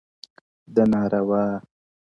• ده ناروا؛